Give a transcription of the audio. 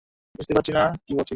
বুঝতে পারছেন না কী বলছি?